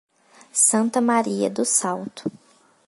Santa Maria do Salto